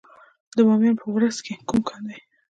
د بامیان په ورس کې کوم کان دی؟